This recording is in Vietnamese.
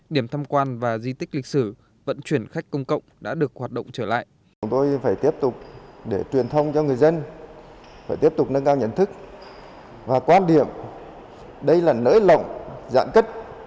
điểm thăm quan và di tích lịch sử vận chuyển khách công cộng đã được hoạt động trở lại